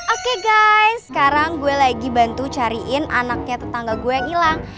oke guy sekarang gue lagi bantu cariin anaknya tetangga gue yang hilang